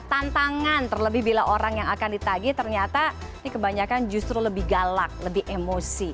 tantangan terlebih bila orang yang akan ditagi ternyata ini kebanyakan justru lebih galak lebih emosi